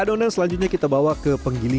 adonan selanjutnya kita bawa ke penggiling